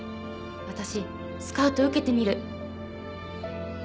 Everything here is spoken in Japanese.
「私スカウト受けてみる」